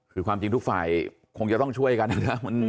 คือความจริงทุกฝ่ายคงจะต้องช่วยกันนะครับ